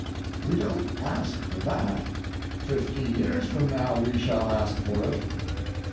We don't ask for that. Fifty years from now we shall ask for it.